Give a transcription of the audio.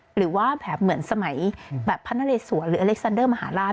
หรือว่าแบบเหมือนสมัยแบบพระนเรสวนหรืออเล็กซันเดอร์มหาลัย